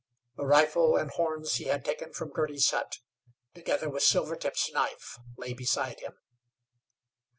The rifle and horns he had taken from Girty's hut, together with Silvertip's knife, lay beside him.